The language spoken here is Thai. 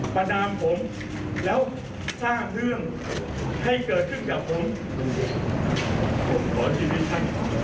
ผมขอชีวิตท่าน